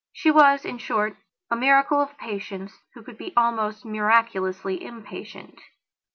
She was, in short, a miracle of patience who could be almost miraculously impatient.